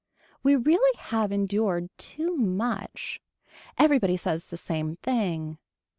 We really have endured too much. Everybody says the same thing.